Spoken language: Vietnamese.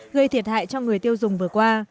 gây thiệt hại cho người tiêu dùng vừa qua